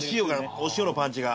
お塩のパンチが。